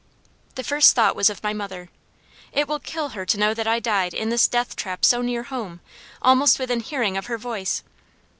The first thought was of my mother. "It will kill her to know that I died in this death trap so near home, almost within hearing of her voice!